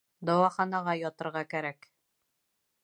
Дауаханаға ятырға кәрәк